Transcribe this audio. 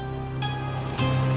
kita ke terminal